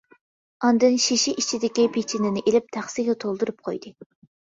ئاندىن شېشە ئىچىدىكى پېچىنىنى ئېلىپ تەخسىگە تولدۇرۇپ قويدى.